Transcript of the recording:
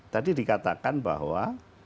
tadi dikatakan bahwa